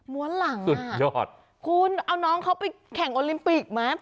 มัวหลังอ่ะคุณเอาน้องเขาไปแข่งโอลิมปิกไหม